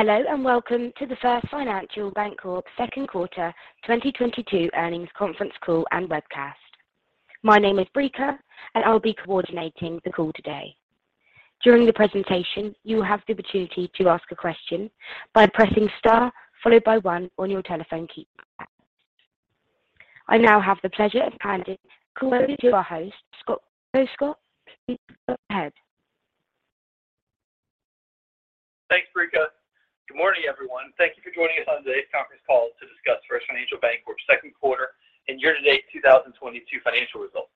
Hello and welcome to the First Financial Bancorp second quarter 2022 earnings conference call and webcast. My name is Brica, and I'll be coordinating the call today. During the presentation, you will have the opportunity to ask a question by pressing star followed by one on your telephone keypad. I now have the pleasure of handing the call over to our host, Scott. Scott, please go ahead. Thanks, Brica. Good morning, everyone. Thank you for joining us on today's conference call to discuss First Financial Bancorp's second quarter and year-to-date 2022 financial results.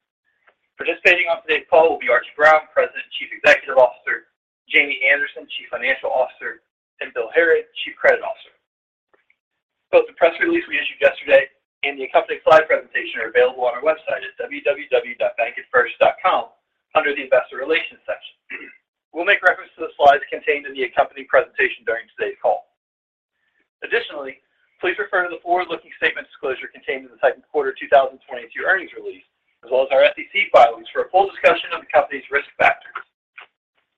Participating on today's call will be Archie Brown, President and Chief Executive Officer, Jamie Anderson, Chief Financial Officer, and Bill Harrod, Chief Credit Officer. Both the press release we issued yesterday and the accompanying slide presentation are available on our website at www.bankatfirst.com under the Investor Relations section. We'll make reference to the slides contained in the accompanying presentation during today's call. Additionally, please refer to the forward-looking statements disclosure contained in the second quarter 2022 earnings release, as well as our SEC filings for a full discussion of the company's risk factors.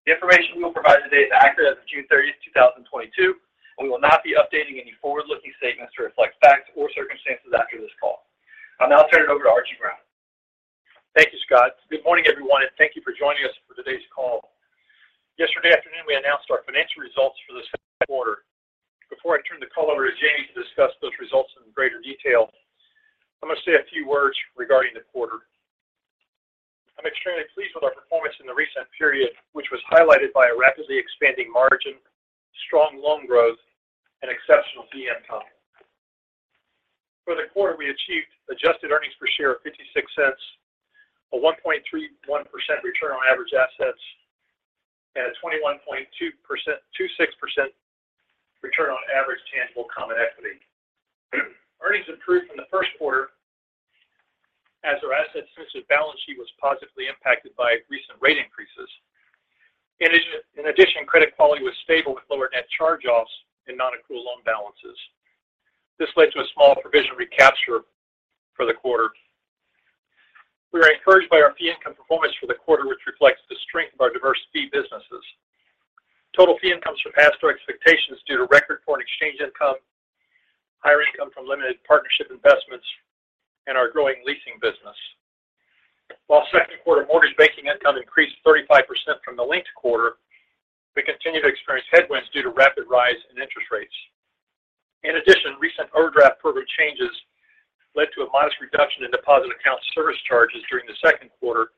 The information we will provide today is accurate as of June 30th, 2022, and we will not be updating any forward-looking statements to reflect facts or circumstances after this call. I'll now turn it over to Archie Brown. Thank you, Scott. Good morning, everyone, and thank you for joining us for today's call. Yesterday afternoon, we announced our financial results for the second quarter. Before I turn the call over to Jamie to discuss those results in greater detail, I'm going to say a few words regarding the quarter. I'm extremely pleased with our performance in the recent period, which was highlighted by a rapidly expanding margin, strong loan growth, and exceptional fee income. For the quarter, we achieved adjusted earnings per share of $0.56, a 1.31% return on average assets, and a 21.26% return on average tangible common equity. Earnings improved from the first quarter as our asset sensitive balance sheet was positively impacted by recent rate increases. In addition, credit quality was stable with lower net charge-offs and non-accrual loan balances. This led to a small provision recapture for the quarter. We were encouraged by our fee income performance for the quarter, which reflects the strength of our diverse fee businesses. Total fee income surpassed our expectations due to record foreign exchange income, higher income from limited partnership investments, and our growing leasing business. While second quarter mortgage banking income increased 35% from the linked quarter, we continue to experience headwinds due to rapid rise in interest rates. In addition, recent overdraft program changes led to a modest reduction in deposit account service charges during the second quarter,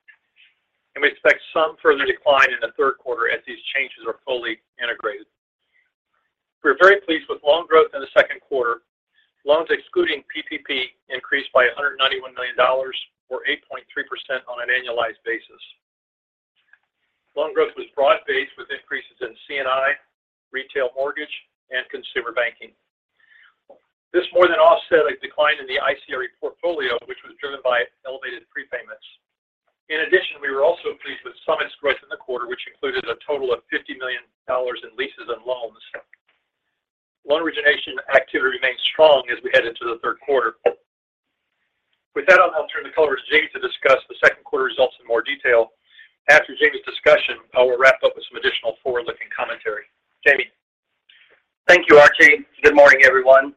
and we expect some further decline in the third quarter as these changes are fully integrated. We're very pleased with loan growth in the second quarter. Loans excluding PPP increased by $191 million or 8.3% on an annualized basis. Loan growth was broad-based with increases in C&I, retail mortgage, and consumer banking. This more than offset a decline in the ICRE portfolio, which was driven by elevated prepayments. In addition, we were also pleased with Summit's growth in the quarter, which included a total of $50 million in leases and loans. Loan origination activity remains strong as we head into the third quarter. With that, I'll now turn the call over to Jamie to discuss the second quarter results in more detail. After Jamie's discussion, I will wrap up with some additional forward-looking commentary. Jamie? Thank you, Archie. Good morning, everyone.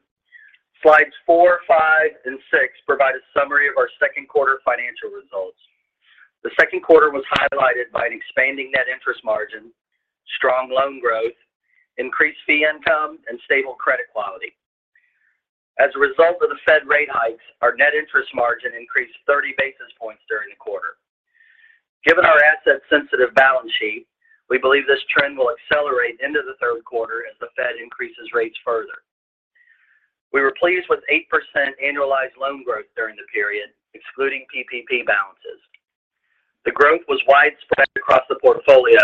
Slides four, five, and six provide a summary of our second quarter financial results. The second quarter was highlighted by an expanding net interest margin, strong loan growth, increased fee income, and stable credit quality. As a result of the Fed rate hikes, our net interest margin increased 30 basis points during the quarter. Given our asset-sensitive balance sheet, we believe this trend will accelerate into the third quarter as the Fed increases rates further. We were pleased with 8% annualized loan growth during the period, excluding PPP balances. The growth was widespread across the portfolio,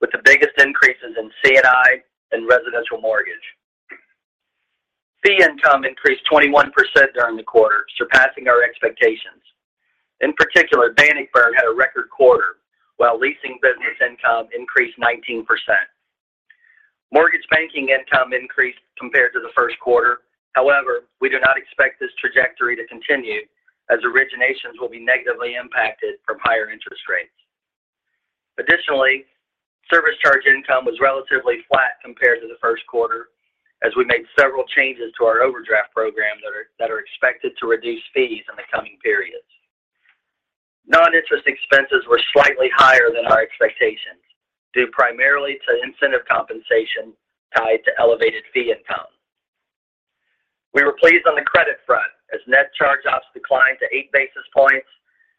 with the biggest increases in C&I and residential mortgage. Fee income increased 21% during the quarter, surpassing our expectations. In particular, Bannockburn had a record quarter, while leasing business income increased 19%. Mortgage banking income increased compared to the first quarter. However, we do not expect this trajectory to continue as originations will be negatively impacted from higher interest rates. Additionally, service charge income was relatively flat compared to the first quarter as we made several changes to our overdraft program that are expected to reduce fees in the coming periods. Non-interest expenses were slightly higher than our expectations due primarily to incentive compensation tied to elevated fee income. We were pleased on the credit front as net charge-offs declined to 8 basis points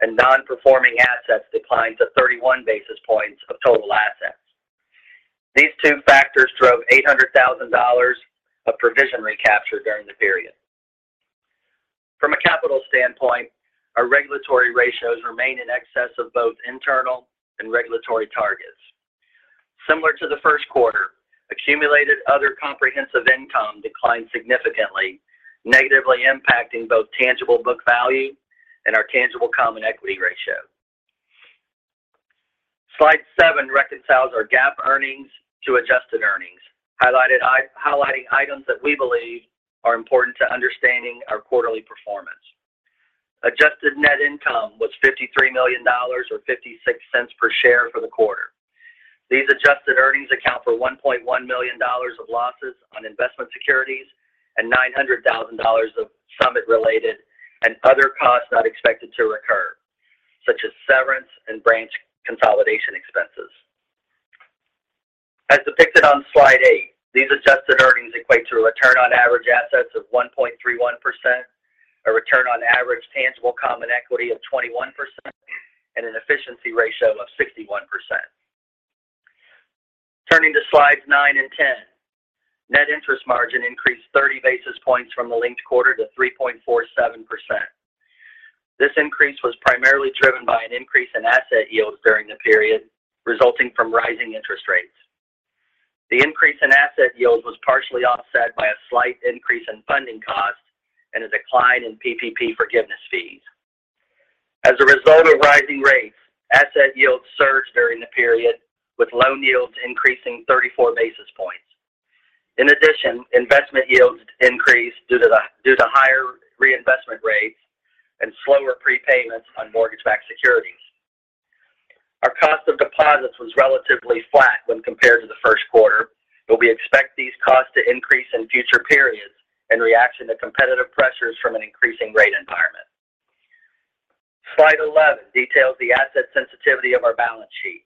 and non-performing assets declined to 31 basis points of total assets. These two factors drove $800,000 of provision recapture during the period. From a capital standpoint, our regulatory ratios remain in excess of both internal and regulatory targets. Similar to the first quarter, accumulated other comprehensive income declined significantly, negatively impacting both tangible book value and our tangible common equity ratio. Slide 7 reconciles our GAAP earnings to adjusted earnings, highlighting items that we believe are important to understanding our quarterly performance. Adjusted net income was $53 million or $0.56 per share for the quarter. These adjusted earnings account for $1.1 million of losses on investment securities and $900 thousand of Summit related and other costs not expected to recur, such as severance and branch consolidation expenses. As depicted on slide 8, these adjusted earnings equate to a return on average assets of 1.31%, a return on average tangible common equity of 21%, and an efficiency ratio of 61%. Turning to slides 9 and 10, net interest margin increased 30 basis points from the linked quarter to 3.47%. This increase was primarily driven by an increase in asset yields during the period, resulting from rising interest rates. The increase in asset yields was partially offset by a slight increase in funding costs and a decline in PPP forgiveness fees. As a result of rising rates, asset yields surged during the period, with loan yields increasing 34 basis points. In addition, investment yields increased due to higher reinvestment rates and slower prepayments on mortgage-backed securities. Our cost of deposits was relatively flat when compared to the first quarter, but we expect these costs to increase in future periods in reaction to competitive pressures from an increasing rate environment. Slide 11 details the asset sensitivity of our balance sheet.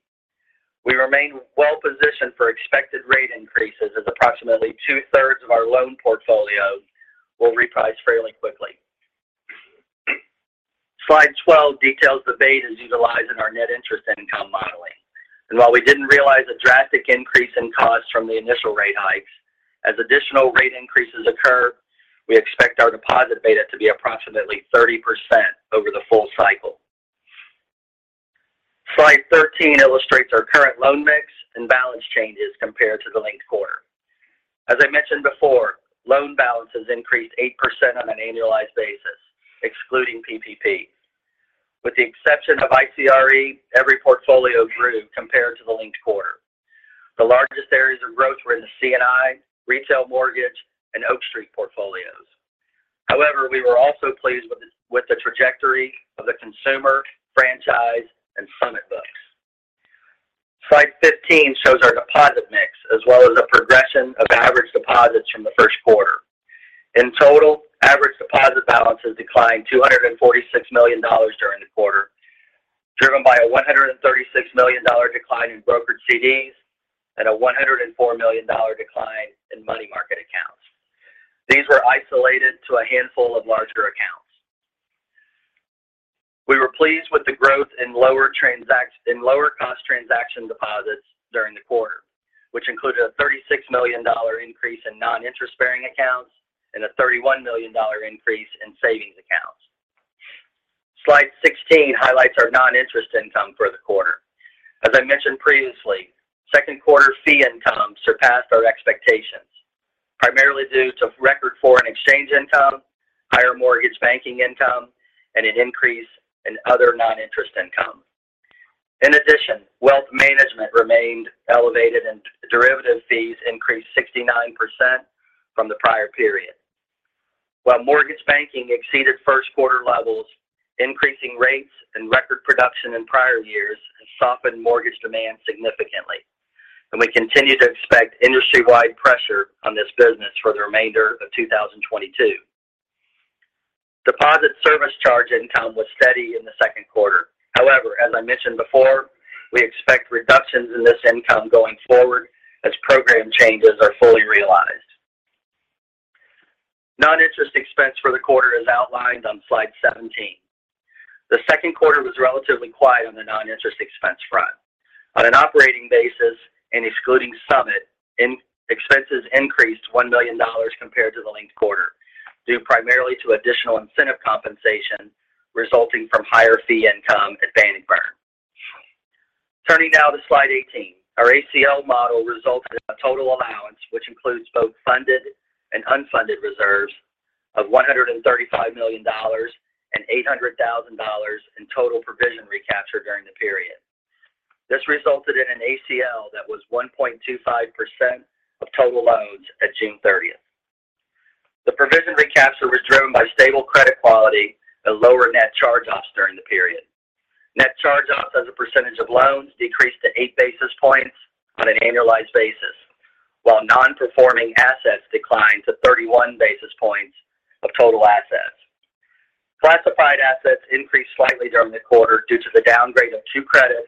We remain well-positioned for expected rate increases as approximately two-thirds of our loan portfolio will reprice fairly quickly. Slide 12 details the betas utilized in our net interest income modeling. While we didn't realize a drastic increase in costs from the initial rate hikes, as additional rate increases occur, we expect our deposit beta to be approximately 30% over the full cycle. Slide 13 illustrates our current loan mix and balance changes compared to the linked quarter. As I mentioned before, loan balances increased 8% on an annualized basis, excluding PPP. With the exception of ICRE, every portfolio grew compared to the linked quarter. The largest areas of growth were in the C&I, retail mortgage, and Oak Street portfolios. However, we were also pleased with the trajectory of the consumer, franchise, and Summit books. Slide 15 shows our deposit mix as well as the progression of average deposits from the first quarter. In total, average deposit balances declined $246 million during the quarter, driven by a $136 million decline in brokered CDs and a $104 million decline in money market accounts. These were isolated to a handful of larger accounts. We were pleased with the growth in lower cost transaction deposits during the quarter, which included a $36 million increase in non-interest-bearing accounts and a $31 million increase in savings accounts. Slide 16 highlights our non-interest income for the quarter. As I mentioned previously, second quarter fee income surpassed our expectations, primarily due to record foreign exchange income, higher mortgage banking income, and an increase in other non-interest income. In addition, wealth management remained elevated and derivative fees increased 69% from the prior period. While mortgage banking exceeded first quarter levels, increasing rates and record production in prior years has softened mortgage demand significantly, and we continue to expect industry-wide pressure on this business for the remainder of 2022. Deposit service charge income was steady in the second quarter. However, as I mentioned before, we expect reductions in this income going forward as program changes are fully realized. Non-interest expense for the quarter is outlined on slide 17. The second quarter was relatively quiet on the non-interest expense front. On an operating basis and excluding Summit, expenses increased $1 million compared to the linked quarter, due primarily to additional incentive compensation resulting from higher fee income at Bannockburn. Turning now to slide 18. Our ACL model resulted in a total allowance, which includes both funded and unfunded reserves of $135 million and $800,000 in total provision recapture during the period. This resulted in an ACL that was 1.25% of total loans at June 30. The provision recapture was driven by stable credit quality and lower net charge-offs during the period. Net charge-offs as a percentage of loans decreased to 8 basis points on an annualized basis, while non-performing assets declined to 31 basis points of total assets. Classified assets increased slightly during the quarter due to the downgrade of two credits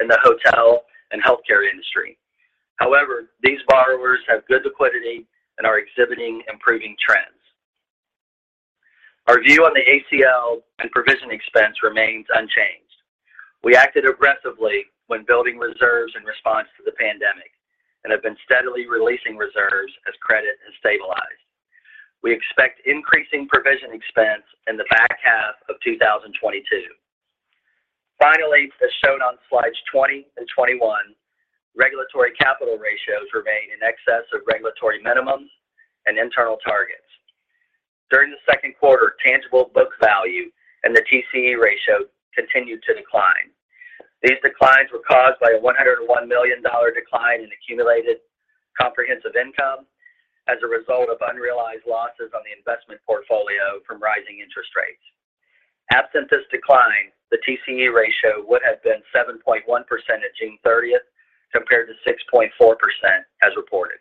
in the hotel and healthcare industry. However, these borrowers have good liquidity and are exhibiting improving trends. Our view on the ACL and provision expense remains unchanged. We acted aggressively when building reserves in response to the pandemic and have been steadily releasing reserves as credit has stabilized. We expect increasing provision expense in the back half of 2022. Finally, as shown on slides 20 and 21, regulatory capital ratios remain in excess of regulatory minimums and internal targets. During the second quarter, tangible book value and the TCE ratio continued to decline. These declines were caused by a $101 million decline in accumulated comprehensive income as a result of unrealized losses on the investment portfolio from rising interest rates. Absent this decline, the TCE ratio would have been 7.1% at June 30 compared to 6.4% as reported.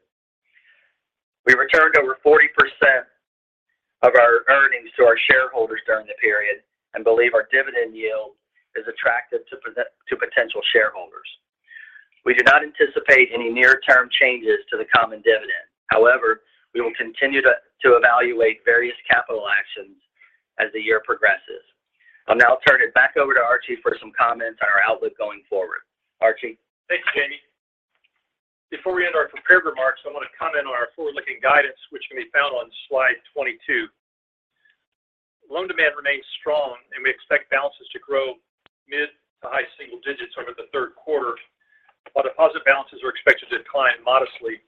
We returned over 40% of our earnings to our shareholders during the period and believe our dividend yield is attractive to potential shareholders. We do not anticipate any near-term changes to the common dividend. However, we will continue to evaluate various capital actions as the year progresses. I'll now turn it back over to Archie for some comments on our outlook going forward. Archie. Thank you, Jamie. Before we end our prepared remarks, I want to comment on our forward-looking guidance, which can be found on slide 22. Loan demand remains strong, and we expect balances to grow mid- to high-single digits over the third quarter, while deposit balances are expected to decline modestly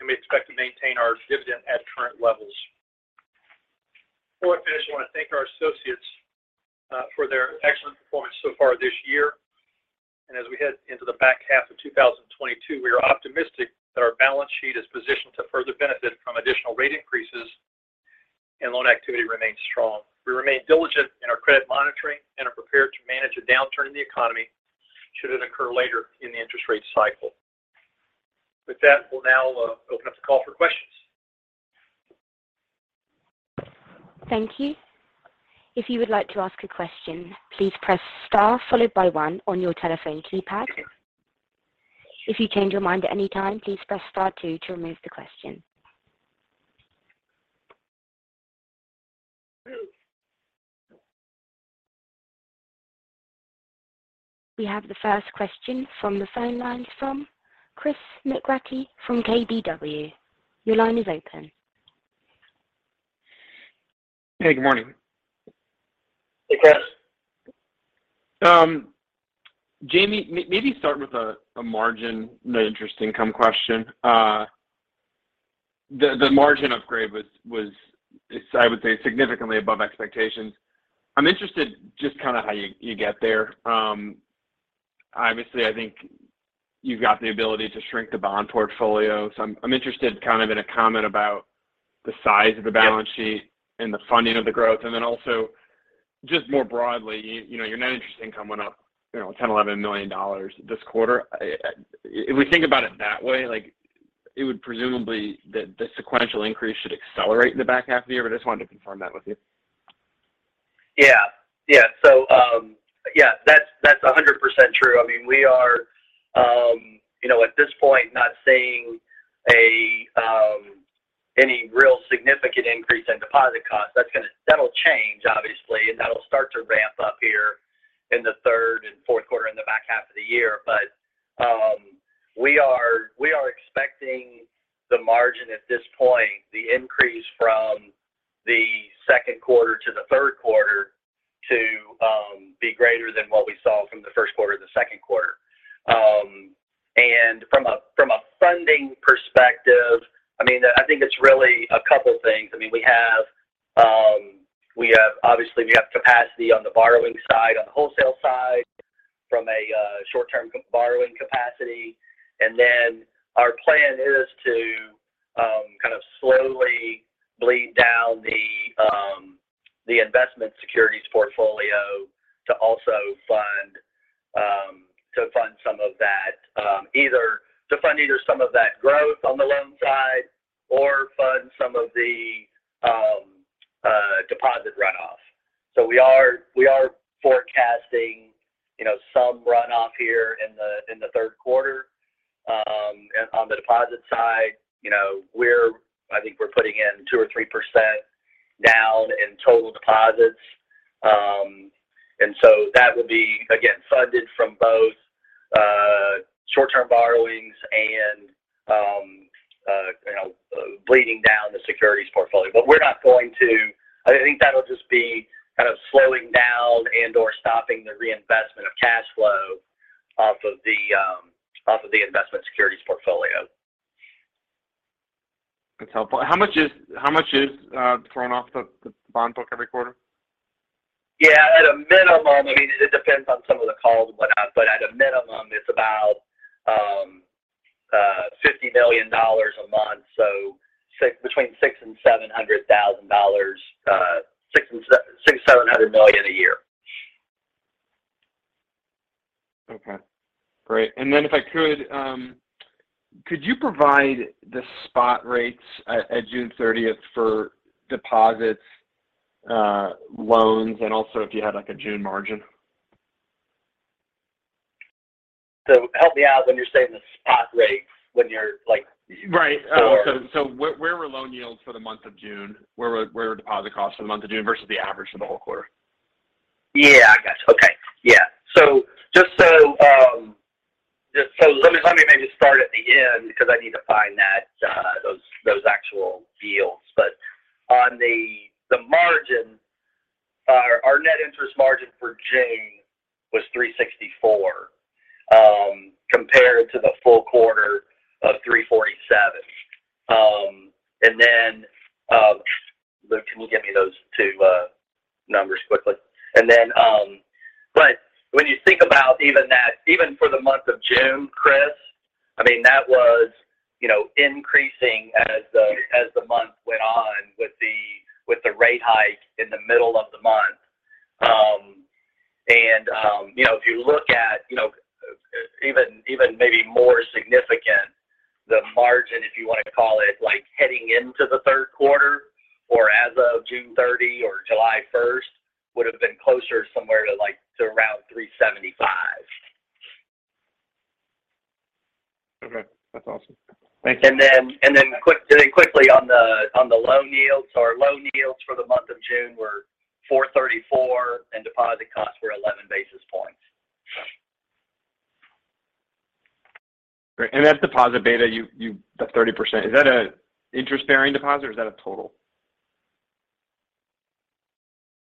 and we expect to maintain our dividend at current levels. Before I finish, I want to thank our associates for their excellent performance so far this year. As we head into the back half of 2022, we are optimistic that our balance sheet is positioned to further benefit from additional rate increases and loan activity remains strong. We remain diligent in our credit monitoring and are prepared to manage a downturn in the economy should it occur later in the interest rate cycle. With that, we'll now open up the call for questions. Thank you. If you would like to ask a question, please press Star followed by one on your telephone keypad. If you change your mind at any time, please press Star two to remove the question. We have the first question from the phone lines from Chris McGratty from KBW. Your line is open. Hey, good morning. Hey, Chris. Jamie, maybe start with a net interest margin question. The margin upgrade was, I would say, significantly above expectations. I'm interested just kind of how you get there. Obviously, I think you've got the ability to shrink the bond portfolio. I'm interested kind of in a comment about the size of the balance sheet. Yeah. the funding of the growth. Then also just more broadly, you know, your net interest income went up, you know, $10 million-$11 million this quarter. If we think about it that way, like, it would presumably the sequential increase should accelerate in the back half of the year. I just wanted to confirm that with you. Yeah, that's 100% true. I mean, we are, you know, at this point, not seeing any real significant increase in deposit costs. That'll change, obviously, and that'll start to ramp up here in the third and fourth quarter in the back half of the year. We are expecting the margin at this point, the increase from the second quarter to the third quarter to be greater than what we saw from the first quarter to the second quarter. And from a funding perspective, I mean, I think it's really a couple of things. I mean, obviously, we have capacity on the borrowing side, on the wholesale side from a short-term borrowing capacity. Our plan is to kind of slowly bleed down the investment securities portfolio to also fund some of that either to fund either some of that growth on the loan side or fund some of the deposit runoff. We are forecasting, you know, some runoff here in the third quarter. On the deposit side, you know, I think we're putting in 2%-3% down in total deposits. That would be, again, funded from both short-term borrowings and, you know, bleeding down the securities portfolio. We're not going to. I think that'll just be kind of slowing down and/or stopping the reinvestment of cash flow off of the investment securities portfolio. That's helpful. How much is thrown off the bond book every quarter? At a minimum, I mean, it depends on some of the calls and whatnot, but at a minimum, it's about $50 million a month. Between $600,000 and $700,000. $600,000-$700 million a year. Okay. Great. If I could you provide the spot rates at June 30th for deposits, loans, and also if you had, like, a June margin? Help me out when you're saying the spot rates, when you're like- Right. For- Where were loan yields for the month of June? Where were deposit costs for the month of June versus the average for the whole quarter? Yeah, I got you. Okay. Yeah. Just so. Let me maybe start at the end because I need to find that, those actual yields. On the margin, our net interest margin for June was 3.64%, compared to the full quarter of 3.47%. Luke, can you get me those two numbers quickly? When you think about even that, even for the month of June, Chris, I mean, that was, you know, increasing as the month went on with the rate hike in the middle of the month. You know, if you look at, you know, even maybe more significant the margin, if you wanna call it, like, heading into the third quarter or as of June 30 or July 1, would've been closer somewhere to, like, to around 3.75%. Okay. That's awesome. Thank you. Quickly on the loan yields. Our loan yields for the month of June were 4.34%, and deposit costs were 11 basis points. Great. That deposit beta you, the 30%, is that a interest-bearing deposit or is that a total?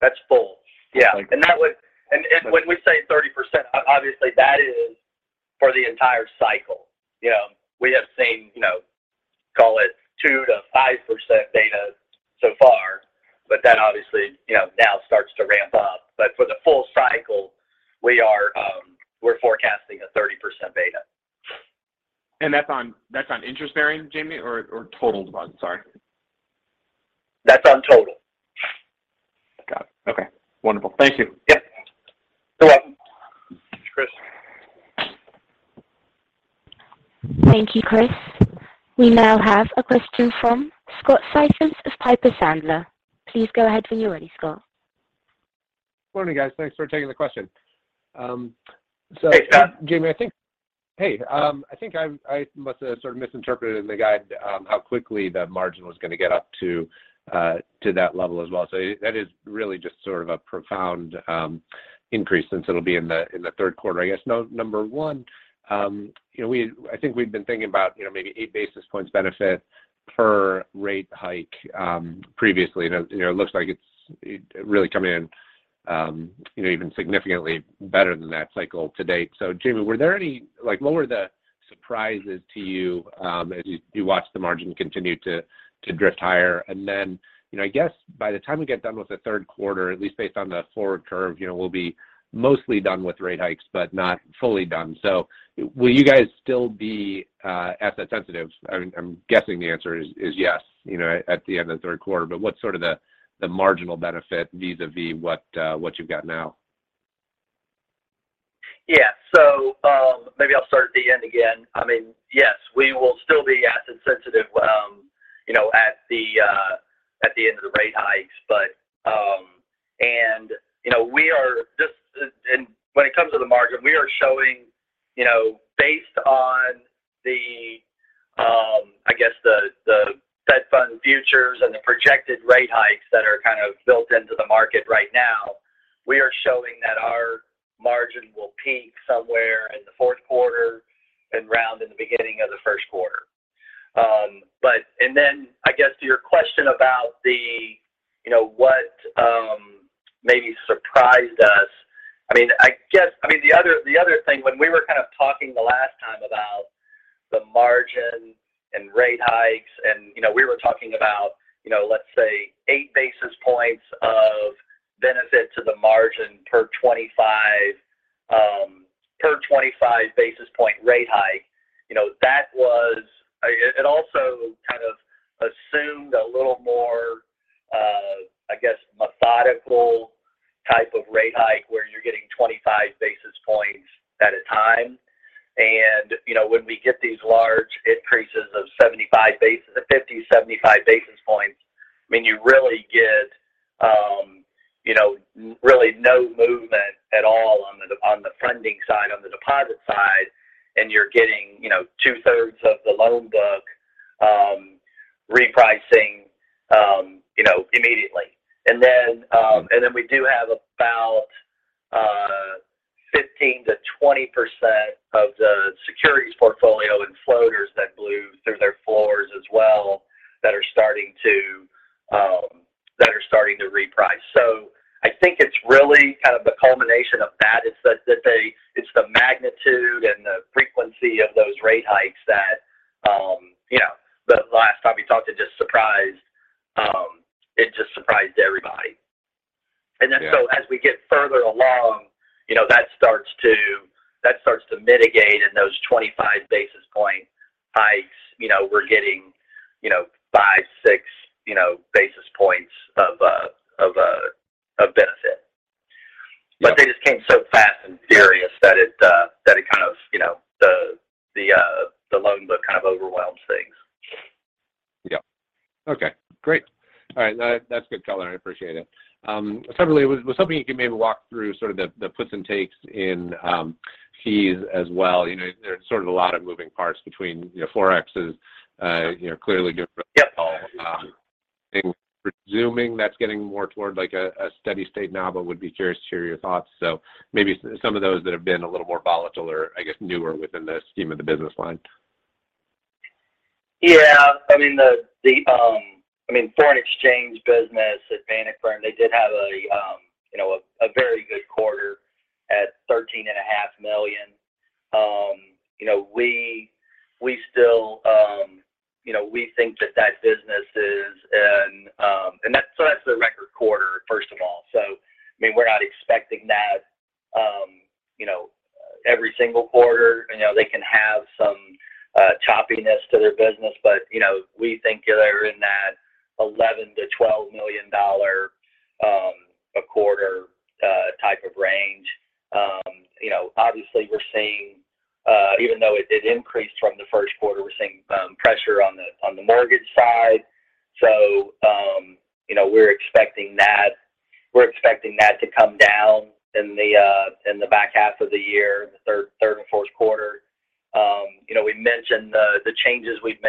That's full. Yeah. Okay. When we say 30%, obviously that is for the entire cycle. You know, we have seen, you know, call it 2%-5% beta so far, but that obviously, you know, now starts to ramp up. For the full cycle we're forecasting a 30% beta. That's on interest-bearing, Jamie? Or total deposits? Sorry. That's on total. Got it. Okay. Wonderful. Thank you. Yeah. You're welcome. Thanks, Chris. Thank you, Chris. We now have a question from Scott Siefers of Piper Sandler. Please go ahead when you're ready, Scott. Morning, guys. Thanks for taking the question. Hey, Scott. Jamie, I think I must have sort of misinterpreted in the guide how quickly the margin was gonna get up to that level as well. That is really just sort of a profound increase since it'll be in the third quarter. I guess number one, you know, I think we've been thinking about, you know, maybe 8 basis points benefit per rate hike previously. You know, it looks like it's really come in, you know, even significantly better than that cycle to date. Jamie, were there any? Like, what were the surprises to you as you watched the margin continue to drift higher? By the time we get done with the third quarter, at least based on the forward curve, you know, we'll be mostly done with rate hikes, but not fully done. Will you guys still be asset sensitive? I mean, I'm guessing the answer is yes, you know, at the end of the third quarter. What's sort of the marginal benefit vis-à-vis what you've got now? Yeah. Maybe I'll start at the end again. I mean, yes, we will still be asset sensitive, you know, at the end of the rate hikes. When it comes to the margin, we are showing, you know, based on, I guess, the Fed Funds futures and the projected rate hikes that are kind of built into the market right now, we are showing that our margin will peak somewhere in the fourth quarter and around in the beginning of the first quarter. To your question about, you know, what maybe surprised us. I mean, I guess. I mean, the other thing when we were kind of talking the last time about the margin and rate hikes and, you know, we were talking about, you know, let's say 8 basis points of benefit to the margin per 25, per 25 basis point rate hike. You know, that was. It also kind of assumed a little more, I guess methodical type of rate hike where you're getting 25 basis points at a time. You know, when we get these large increases of 75 basis points, I mean, you really get, you know, really no movement at all on the funding side, on the deposit side. And you're getting, you know, two-thirds of the loan book repricing, you know, immediately. We do have about 15%-20% of the securities portfolio and floaters that blew through their floors as well, that are starting to reprice. I think it's really kind of the culmination of that. It's the magnitude and the frequency of those rate hikes that, you know, the last time we talked, it just surprised everybody. Yeah. As we get further along, you know, that starts to mitigate. Those 25 basis point hikes, you know, we're getting, you know, five, six, you know, basis points of benefit. Yeah. They just came so fast and furious that it kind of, you know, the loan book kind of overwhelms things. Yeah. Okay, great. All right. That's good color. I appreciate it. Separately, I was hoping you could maybe walk through sort of the puts and takes in fees as well. You know, there's sort of a lot of moving parts between, you know, Forex is, you know, clearly good for the call. Yep. I think presuming that's getting more toward like a steady state now, but would be curious to hear your thoughts. Maybe some of those that have been a little more volatile or I guess newer within the scheme of the business line. Yeah. I mean, the foreign exchange business, Bannockburn, they did have a very good quarter at $13.5 million. We still think that business is. That's the record quarter, first of all. I mean, we're not expecting that every single quarter. They can have some choppiness to their business. We think they're in that $11 million-$12 million a quarter type of range. Obviously we're seeing, even though it did increase from the first quarter, we're seeing pressure on the mortgage side. You know, we're expecting that to come down in the back half of the year, the third and fourth quarter. You know, we mentioned the changes we've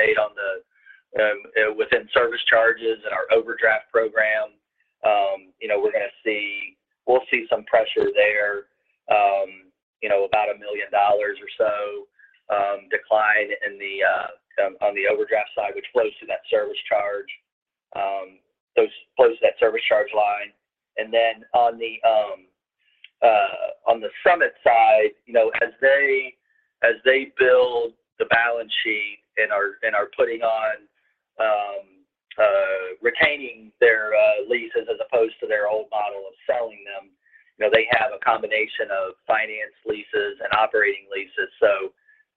made within service charges and our overdraft program. You know, we'll see some pressure there, about $1 million or so decline in the overdraft side, which flows through that service charge. Those flows through that service charge line. On the Summit side, you know, as they build the balance sheet and are retaining their leases as opposed to their old model of selling them, you know, they have a combination of finance leases and operating leases.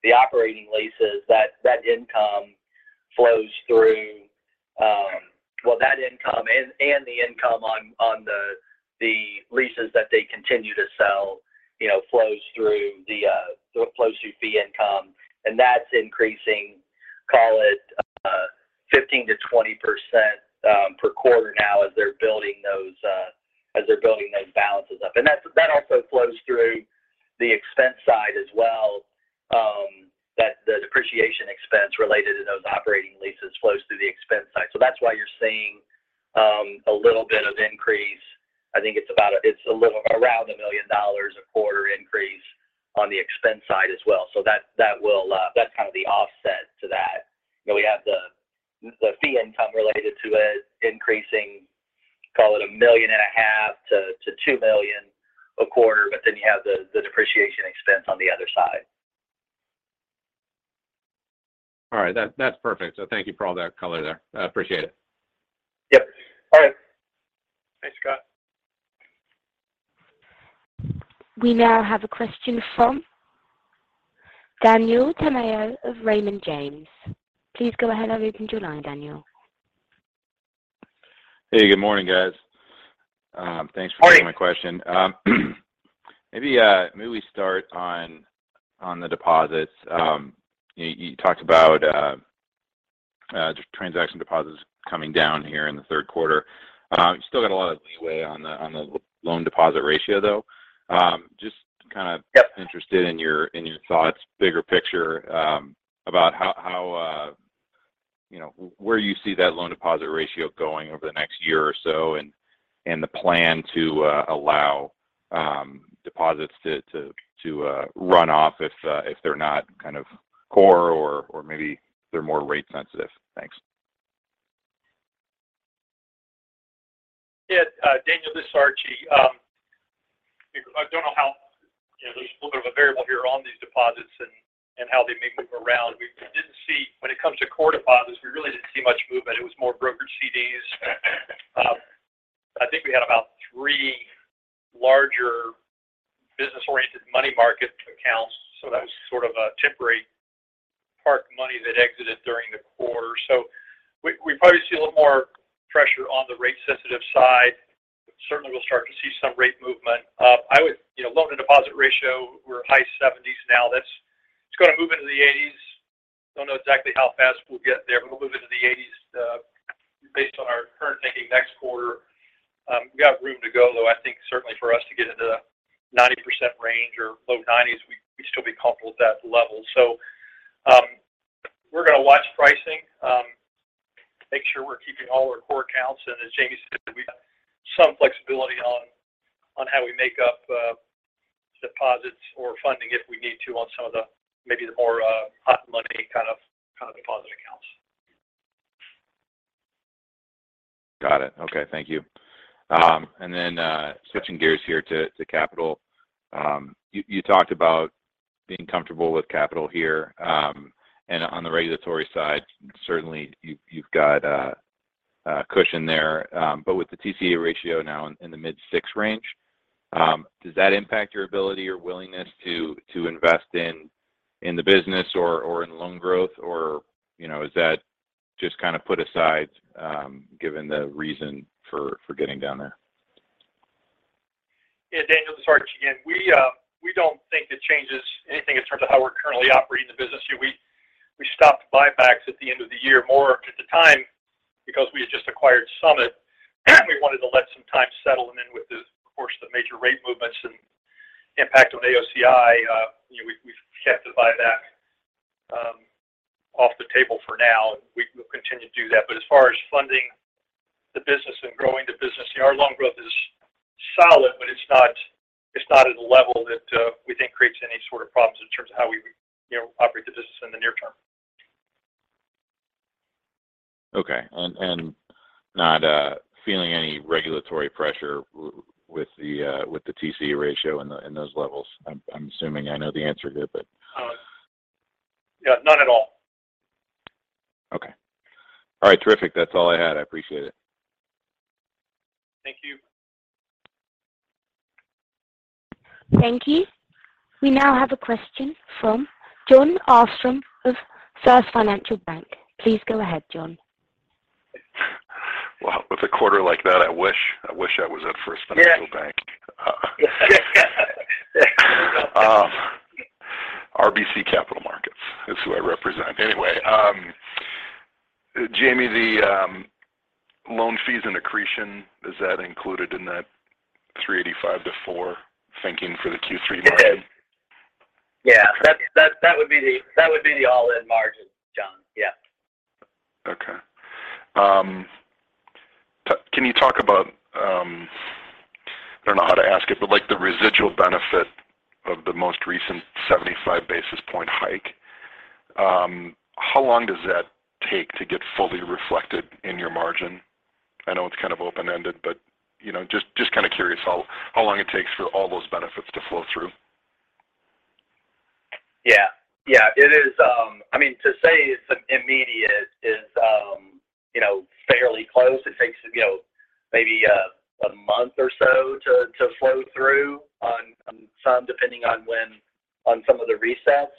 The operating leases that income flows through. Well, that income and the income on the leases that they continue to sell, you know, flows through fee income. That's increasing, call it, fifteen to twenty percent per quarter now as they're building those balances up. That also flows through the expense side as well, that the depreciation expense related to those operating leases flows through the expense side. That's why you're seeing a little bit of increase. I think it's about—it's a little around $1 million a quarter increase on the expense side as well. That will, that's kind of the offset to that. You know, we have the fee income related to it increasing, call it $1.5 million-$2 million a quarter, but then you have the depreciation expense on the other side. All right. That's perfect. Thank you for all that color there. I appreciate it. Yep. All right. Thanks, Scott. We now have a question from Daniel Tamayo of Raymond James. Please go ahead. I've opened your line, Daniel. Hey, good morning, guys. Morning. Thanks for taking my question. Maybe we start on the deposits. You talked about just transaction deposits coming down here in the third quarter. You still got a lot of leeway on the loan deposit ratio, though. Yep. Interested in your thoughts, bigger picture, about how you know where you see that loan deposit ratio going over the next year or so and the plan to allow deposits to run off if they're not kind of core or maybe they're more rate sensitive. Thanks. Daniel Tamayo, this is Archie Brown. I don't know. You know, there's a little bit of a variable here on these deposits and how they may move around. When it comes to core deposits, we really didn't see much movement. It was more brokerage CDs. I think we had about three larger business-oriented money market accounts. So that was sort of a temporary parked money that exited during the quarter. So we probably see a little more pressure on the rate sensitive side. Certainly, we'll start to see some rate movement. You know, loan to deposit ratio, we're high 70s now. That's going to move into the 80s. Don't know exactly how fast we'll get there, but we'll move into the 80s based on our current thinking next quarter. We got room to go, though. I think certainly for us to get into 90% range or low 90s, we'd still be comfortable with that level. We're gonna watch pricing, make sure we're keeping all our core accounts. As Jamie said, we've some flexibility on how we make up deposits or funding if we need to on some of the maybe the more hot money kind of deposit accounts. Got it. Okay. Thank you. Switching gears here to capital. You talked about being comfortable with capital here. On the regulatory side, certainly, you've got a cushion there. But with the TCE ratio now in the mid-six range, does that impact your ability or willingness to invest in the business or in loan growth? You know, is that just kind of put aside, given the reason for getting down there? Yeah, Daniel, this is Archie again. We don't think it changes anything in terms of how we're currently operating the business here. We stopped buybacks at the end of the year more at the time because we had just acquired Summit, and we wanted to let some time settle. Then with the, of course, the major rate movements and impact of AOCI, you know, we've kept the buyback off the table for now, and we will continue to do that. As far as funding the business and growing the business, you know, our loan growth is solid, but it's not at a level that we think creates any sort of problems in terms of how we, you know, operate the business in the near term. Okay. Not feeling any regulatory pressure with the TCE ratio in those levels? I'm assuming I know the answer here, but. Oh. Yeah, none at all. Okay. All right. Terrific. That's all I had. I appreciate it. Thank you. Thank you. We now have a question from Jon Arfstrom of RBC Capital Markets. Please go ahead, John. Well, with a quarter like that, I wish I was at RBC Capital Markets. RBC Capital Markets is who I represent. Anyway, Jamie, the loan fees and accretion, is that included in that 3.85%-4% thinking for the Q3 margin? It is. Yeah. Okay. That would be the all-in margin, John. Yeah. Okay. Can you talk about, I don't know how to ask it, but, like, the residual benefit of the most recent 75 basis point hike, how long does that take to get fully reflected in your margin? I know it's kind of open-ended, but, you know, just kind of curious how long it takes for all those benefits to flow through. Yeah. Yeah. It is. I mean to say it's immediate is you know, fairly close. It takes you know, maybe a month or so to flow through on some depending on when on some of the resets.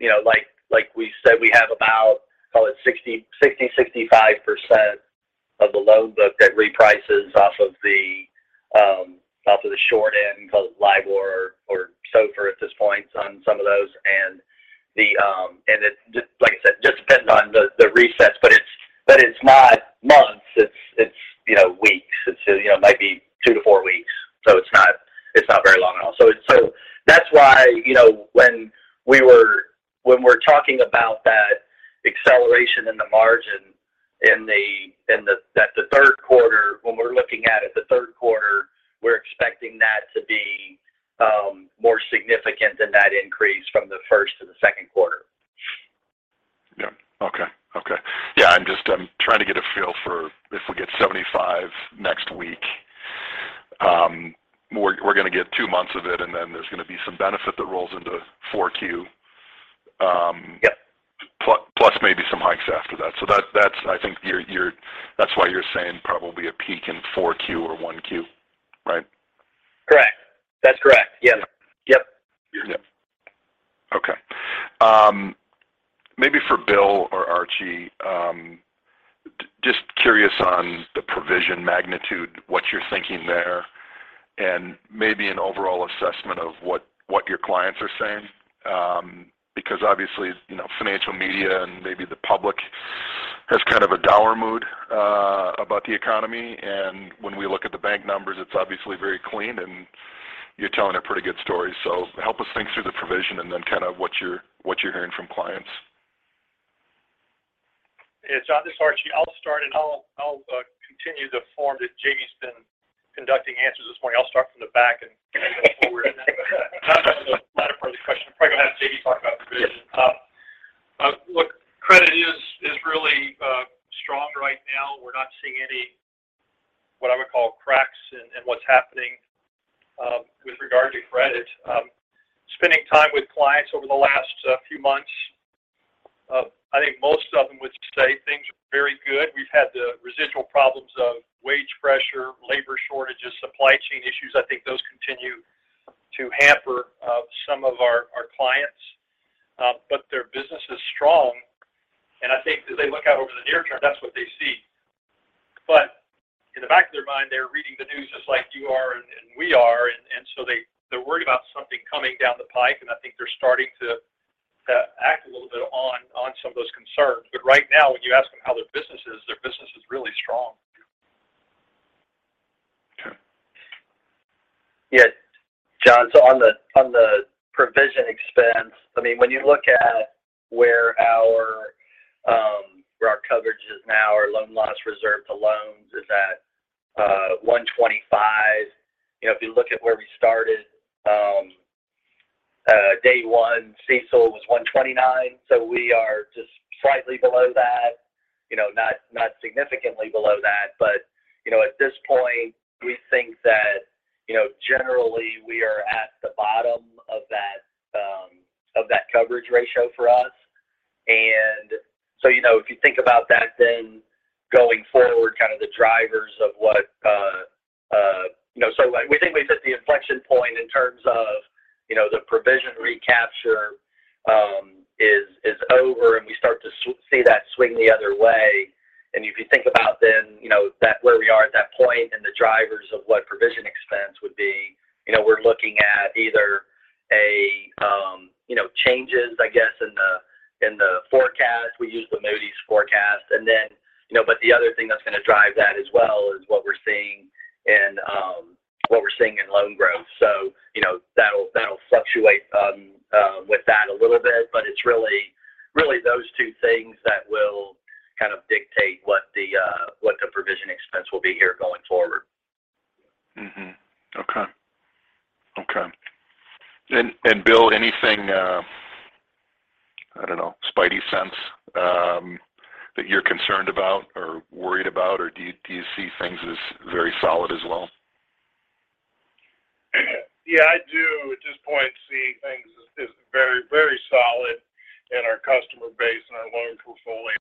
You know, like we said, we have about, call it 65% of the loan book that reprices off of the short end, call it LIBOR or SOFR at this point on some of those. It just like I said, just depends on the resets, but it's not months, it's you know, weeks. It you know, might be two to four weeks, so it's not very long at all. That's why, you know, when we're talking about that acceleration in the margin seeing any, what I would call cracks in what's happening with regard to credit. Spending time with clients over the last few months, I think most of them would say things are very good. We've had the residual problems of wage pressure, labor shortages, supply chain issues. I think those continue to hamper some of our clients. Their business is strong, and I think as they look out over the near term, that's what they see. In the back of their mind, they're reading the news just like you are and we are. They're worried about something coming down the pike, and I think they're starting to A little bit on some of those concerns. Right now, when you ask them how their business is, their business is really strong. Okay. Yeah. Jon, so on the provision expense, I mean, when you look at where our coverage is now, our loan loss reserve to loans is at 1.25%. You know, if you look at where we started, day one, CECL was 1.29%, so we are just slightly below that. You know, not significantly below that. You know, at this point, we think that, you know, generally we are at the bottom of that coverage ratio for us. You know, if you think about that then going forward, kind of the drivers of what you know. Like, we think we've hit the inflection point in terms of, you know, the provision recapture is over, and we start to see that swing the other way. If you think about then, you know, that where we are at that point and the drivers of what provision expense would be, you know, we're looking at either a, you know, changes, I guess, in the forecast. We use the Moody's forecast. You know, the other thing that's gonna drive that as well is what we're seeing in loan growth. You know, that'll fluctuate with that a little bit, but it's really those two things that will kind of dictate what the provision expense will be here going forward. Okay. Bill, anything, I don't know, spidey sense that you're concerned about or worried about, or do you see things as very solid as well? Yeah, I do at this point see things as very, very solid in our customer base and our loan portfolio.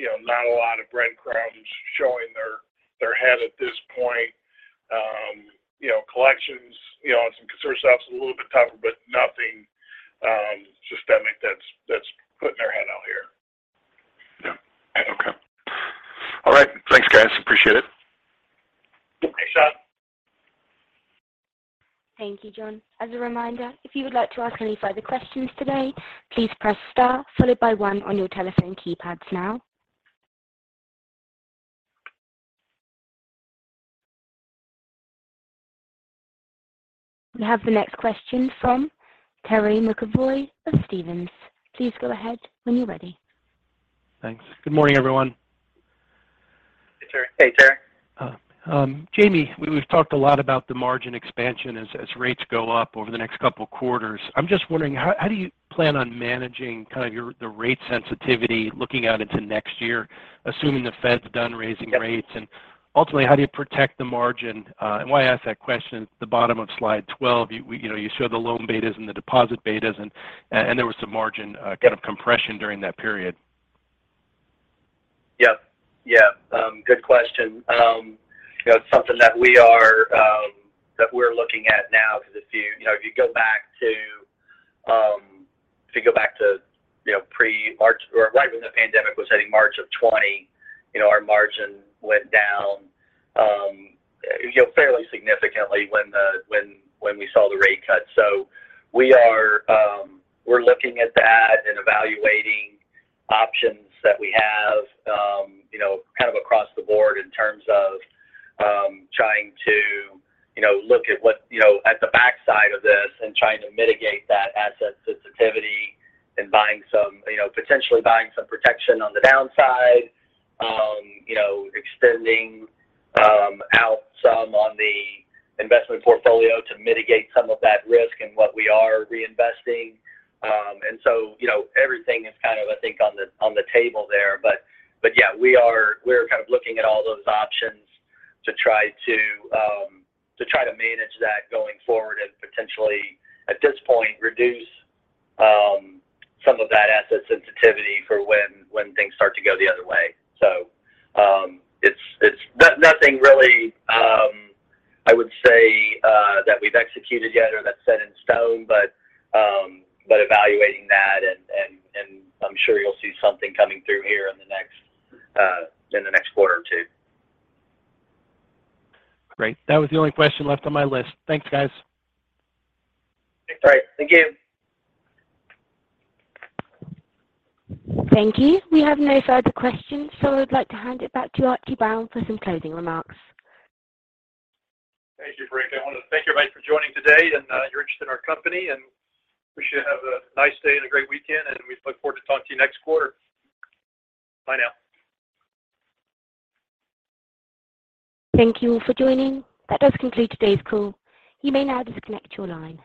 You know, not a lot of breadcrumbs showing their head at this point. You know, collections, you know, on some consumer stuff's a little bit tougher, but nothing systemic that's putting their head out here. Yeah. Okay. All right. Thanks, guys. Appreciate it. Thanks, Jon Arfstrom. Thank you, Jon. As a reminder, if you would like to ask any further questions today, please press star followed by one on your telephone keypads now. We have the next question from Terry McEvoy of Stephens. Please go ahead when you're ready. Thanks. Good morning, everyone. Hey, Terry. Hey, Terry. Jamie, we've talked a lot about the margin expansion as rates go up over the next couple quarters. I'm just wondering how do you plan on managing kind of the rate sensitivity looking out into next year, assuming the Fed's done raising rates? Ultimately, how do you protect the margin? Why I ask that question, at the bottom of slide 12, you, we, you know, you show the loan betas and the deposit betas and there was some margin kind of compression during that period. Yeah. Yeah. Good question. You know, it's something that we're looking at now because if you go back to pre-March or right when the pandemic was hitting March of 2020, you know, our margin went down fairly significantly when we saw the rate cut. We're looking at that and evaluating options that we have, you know, kind of across the board in terms of trying to look at the backside of this and trying to mitigate that asset sensitivity and potentially buying some protection on the downside. You know, extending out some on the investment portfolio to mitigate some of that risk and what we are reinvesting. You know, everything is kind of, I think, on the table there. Yeah, we're kind of looking at all those options to try to manage that going forward and potentially, at this point, reduce some of that asset sensitivity for when things start to go the other way. It's nothing really I would say that we've executed yet or that's set in stone, but evaluating that and I'm sure you'll see something coming through here in the next quarter or two. Great. That was the only question left on my list. Thanks, guys. All right. Thank you. Thank you. We have no further questions, so I'd like to hand it back to Archie Brown for some closing remarks. Thank you. I want to thank everybody for joining today and, your interest in our company, and we wish you have a nice day and a great weekend, and we look forward to talking to you next quarter. Bye now. Thank you all for joining. That does conclude today's call. You may now disconnect your line.